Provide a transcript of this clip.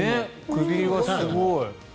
首はすごい。